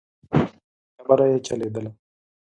خبره يې چلېدله.